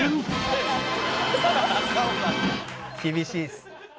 厳しいっす。